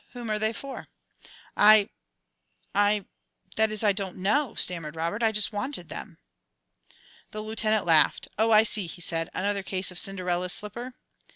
"Whom are they for?" "I I that is, I don't know," stammered Robert. "I just wanted them." The Lieutenant laughed. "Oh, I see," he said. "Another case of Cinderella's slipper?"